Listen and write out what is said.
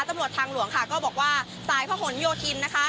ตำรวจทางหลวงค่ะก็บอกว่าสายพระหลโยธินนะคะ